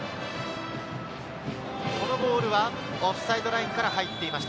このボールはオフサイドラインから入っていました。